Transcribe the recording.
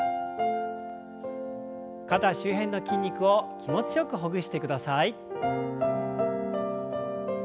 肩周辺の筋肉を気持ちよくほぐしてください。